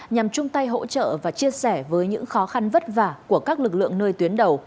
nhằm chung tay hỗ trợ và chia sẻ với những khó khăn vất vả của các lực lượng nơi tuyến đầu